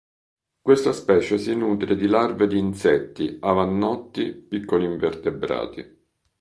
Questa specie si nutre di larve di insetti, avannotti, piccoli invertebrati.